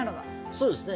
そうですね。